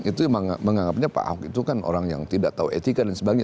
itu menganggapnya pak ahok itu kan orang yang tidak tahu etika dan sebagainya